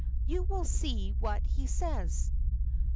You will see what he says.